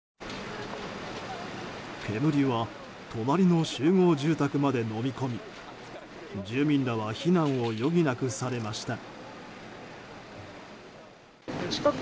煙は隣の集合住宅までのみ込み住民らは避難を余儀なくされました。